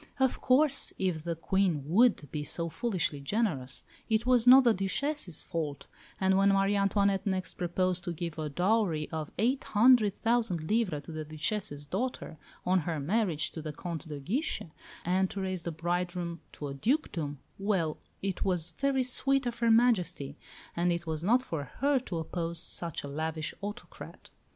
Of course, if the Queen would be so foolishly generous, it was not the Duchesse's fault, and when Marie Antoinette next proposed to give a dowry of eight hundred thousand livres to the Duchesse's daughter on her marriage to the Comte de Guiche, and to raise the bridegroom to a dukedom well, it was "very sweet of Her Majesty," and it was not for her to oppose such a lavish autocrat.